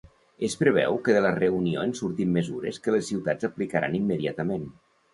Es preveu que de la reunió en surtin mesures que les ciutats aplicaran immediatament